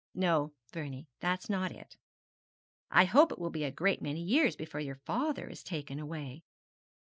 'No, Vernie, that's not it. I hope it will be a great many years before your father is taken away.'